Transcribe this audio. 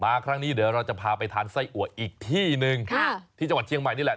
ครั้งนี้เดี๋ยวเราจะพาไปทานไส้อัวอีกที่หนึ่งที่จังหวัดเชียงใหม่นี่แหละ